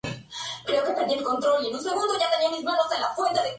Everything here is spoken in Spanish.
Posteriormente, realizó un viaje al Caribe donde continuó practicando el buceo.